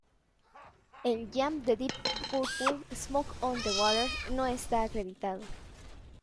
El jam de Deep Purple "Smoke on the Water" no está acreditado.